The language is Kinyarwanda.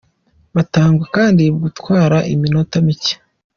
butangwa kandi bugatwara iminota mike.